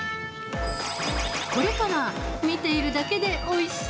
これから見ているだけでおいしそ！